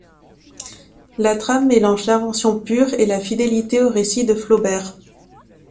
La trame mélange l'invention pure et la fidélité au récit de Flaubert.